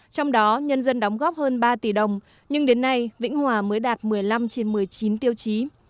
trong đó nhân dân đóng góp hơn ba tỷ đồng nhưng đến nay vĩnh hòa mới đạt một mươi năm trên một mươi chín tiêu chí